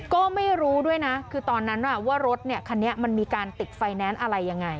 ก็ไม่รู้ด้วยนะคือตอนนั้นว่ารถคันนี้มันมีการติดไฟแนนซ์อะไรยังไง